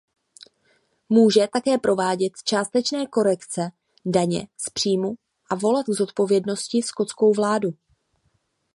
Může také provádět částečné korekce daně z příjmu a volat k zodpovědnosti skotskou vládu.